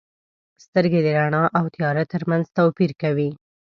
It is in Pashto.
• سترګې د رڼا او تیاره ترمنځ توپیر کوي.